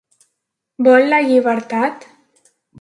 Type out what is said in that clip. Vol la llibertat?